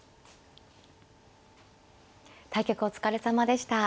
対局お疲れさまでした。